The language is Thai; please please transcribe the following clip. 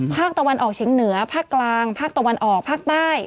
ภาคตะวันออกเฉียงเหนือภาคกลางภาคตะวันออกภาคใต้